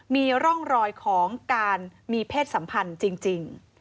มีร่องรอยของการมีเพศสัมพันธ์จริง